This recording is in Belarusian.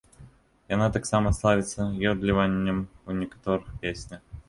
Яна таксама славіцца ёдліваннем у некаторых песнях.